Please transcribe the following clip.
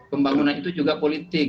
pembangunan itu juga politik